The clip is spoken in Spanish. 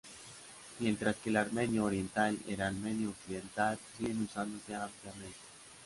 Mientras que el armenio oriental y el armenio occidental siguen usándose ampliamente.